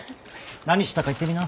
何したか言ってみな。